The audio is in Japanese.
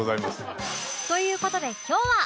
という事で今日は